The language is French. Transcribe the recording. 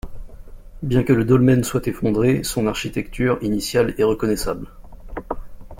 Bien que le dolmen soit effondré, son architecture initiale est reconnaissable.